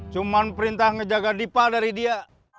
cuma perintah menjaga diva dari dia